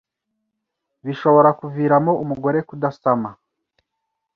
bishobora kuviramo umugore kudasama